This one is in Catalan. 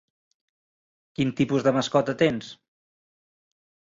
Quin tipus de mascota tens?